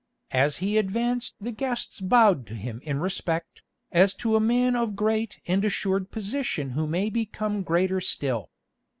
As he advanced the guests bowed to him in respect, as to a man of great and assured position who may become greater still.